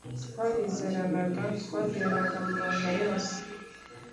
twarizeranaga, twabwiranaga amabanga yose